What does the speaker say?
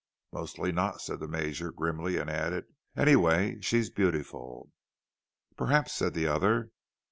"Mostly not," said the Major, grimly; and added, "Anyway, she's beautiful." "Perhaps," said the other.